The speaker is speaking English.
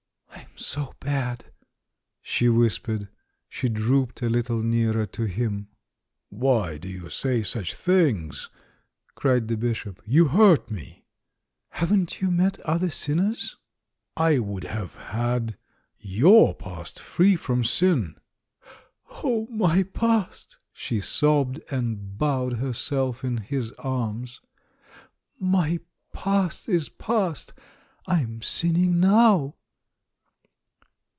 "I'm so bad," she whispered. She drooped a little nearer to him. "Why do you say such things?" cried the Bish op; "you hurt me!" "Haven't you met other sinners?" "I would have had your past free from sin." "Oh, my past?" she sobbed, and bowed herself in his arms. "My past is past — I'm sinning now